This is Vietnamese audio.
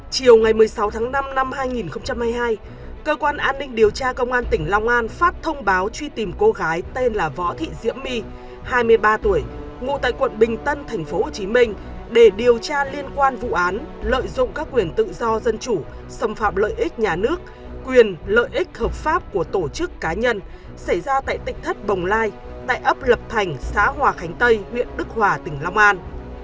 chiều ngày một mươi sáu tháng năm năm hai nghìn hai mươi hai cơ quan an ninh điều tra công an tỉnh long an phát thông báo truy tìm cô gái tên là võ thị diễm my hai mươi ba tuổi ngụ tại quận bình tân tp hcm để điều tra liên quan vụ án lợi dụng các quyền tự do dân chủ xâm phạm lợi ích nhà nước quyền lợi ích hợp pháp của tổ chức cá nhân xảy ra tại tịch thất bồng lai tại ấp lập thành xã hòa khánh tây huyện đức hòa tỉnh long an